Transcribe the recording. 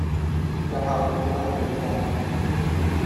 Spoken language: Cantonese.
後日我會去美國